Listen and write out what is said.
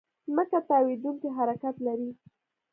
ځمکه تاوېدونکې حرکت لري.